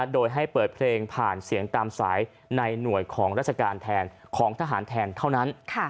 โดยปลดเพลงผ่านเสียงตามสายในหน่วยของทหารแทนเท่านั้น